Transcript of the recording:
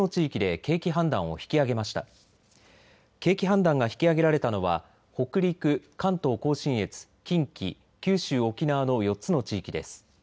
景気判断が引き上げられたのは北陸、関東甲信越、近畿、九州・沖縄の４つの地域です。